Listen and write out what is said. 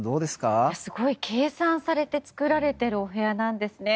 計算されて作られているお部屋なんですね。